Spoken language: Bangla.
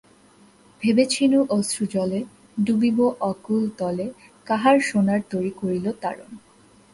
ভেবেছিনু অশ্রুজলে, ডুবিব অকূল তলে, কাহার সোনার তরী করিল তারণ?